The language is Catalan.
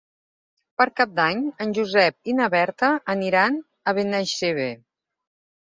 Per Cap d'Any en Josep i na Berta aniran a Benaixeve.